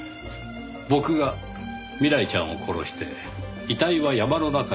「僕が未来ちゃんを殺して遺体は山の中に埋めました」。